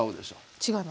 違いますね。